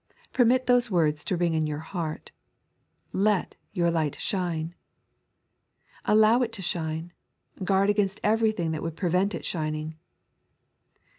Permit those words to ring in your heart, "Let your light shine." Allow it to shine ; guard against everything which would prevent it shining.